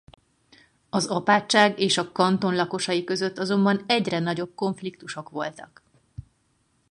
Az apátság és a kanton lakosai között azonban egyre nagyobb konfliktusok voltak.